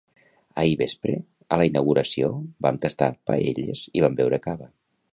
Ahir vespre a la inauguració vam tastar paelles i vam beure cava